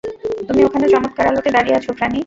তুমি ওখানে চমৎকার আলোতে দাঁড়িয়ে আছো, ফ্র্যানি।